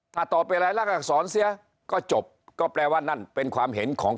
ถ้าตอบเป็นรายลักษรเสียก็จบก็แปลว่านั่นเป็นความเห็นของ